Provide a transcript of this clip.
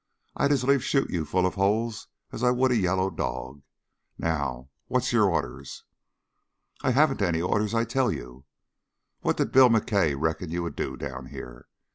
I'd as lief shoot you full of holes as I would a yellow dog. Now what's your orders?" "I haven't any orders, I tell you." "What did Bill McKay reckon you would do down here?"